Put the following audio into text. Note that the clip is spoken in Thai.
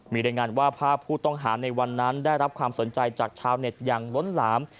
มีรายงานว่าภาพผู้ต้องหาในวันนั้นได้รับความสนใจจากชาวเน็ตอย่างล้นหลาม